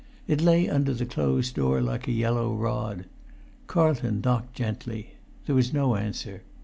It lay under the closed door like a yellow rod. Carlton knocked gently. There was no answer.